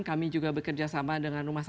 kami juga bekerjasama dengan rumah sakit